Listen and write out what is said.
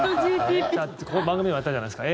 この番組でもやったじゃないですか。